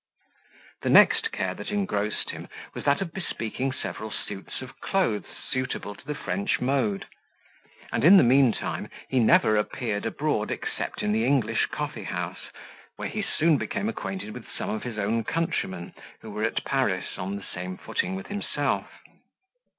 The next care that engrossed him was that of bespeaking several suits of clothes suitable to the French mode; and, in the mean time, he never appeared abroad, except in the English coffee house, where he soon became acquainted with some of his own countrymen, who were at Paris on the same footing with himself.